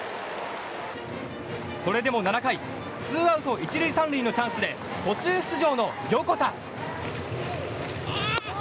それでも７回、ツーアウト１塁３塁のチャンスで途中出場の横田。